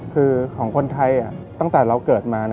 คือของคนไทยตั้งแต่เราเกิดมา